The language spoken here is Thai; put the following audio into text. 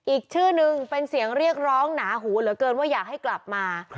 อีกชื่อนึงเป็นเสียงเรียกร้องหนาหูเหลือเกินว่าอยากให้กลับมา